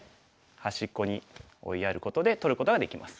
端っこに追いやることで取ることができます。